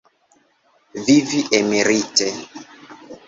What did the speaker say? Vivi emerite.